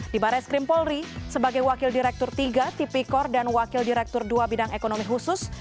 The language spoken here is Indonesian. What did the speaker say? di barai skrim polri sebagai wakil direktur tiga tipikor dan wakil direktur dua bidang ekonomi khusus